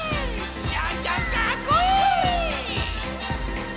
ジャンジャンかっこいい！